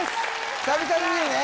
久々に見るね